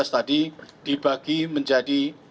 tadi dibagi menjadi